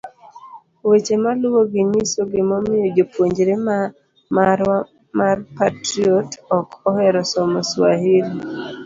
Weche maluwogi nyiso gimomiyo jopuonjre marwa mar Patriot ok ohero somo Swahili.